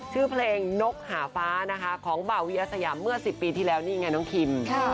ชื่อเพลงนกหาฟ้านะคะของบ่าเวียสยามเมื่อ๑๐ปีที่แล้วนี่ไงน้องคิม